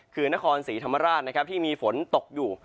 คือนครศรีธรรมราชนะครับที่มีฝนตกอยู่